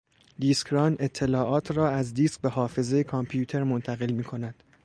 دیسکران اطلاعات رااز دیسک به حافظهی کامپیوتر منتقل میکند.